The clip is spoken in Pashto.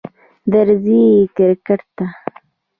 درځی کرکټ ته